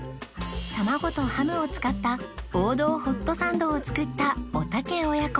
卵とハムを使った王道ホットサンドを作ったおたけ親子